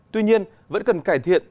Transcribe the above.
tuy nhiên vẫn cần cải thiện